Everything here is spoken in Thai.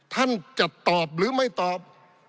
ท่านจะตอบหรือไม่ตอบ